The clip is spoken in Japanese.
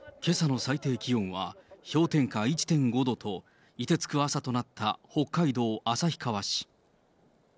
けさの最低気温は氷点下１．５度と、凍てつく朝となった北海道旭川市。